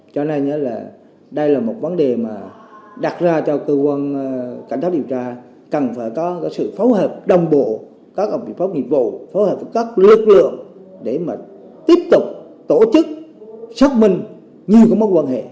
cho nên đây là một vấn đề đặt ra cho cơ quan cảnh sát điều tra cần phải có sự phóng hợp đồng bộ các ổng vị phóng nhiệm vụ phóng hợp các lực lượng để tiếp tục tổ chức xác minh nhiều mối quan hệ